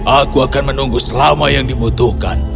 aku akan menunggu selama yang dibutuhkan